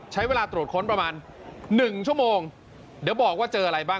ใช้เวลาตรวจค้นประมาณ๑ชั่วโมงเดี๋ยวบอกว่าเจออะไรบ้าง